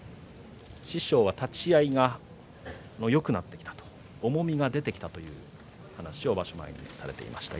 師匠は立ち合いがよくなってきたと重みが出てきたという話をしていました。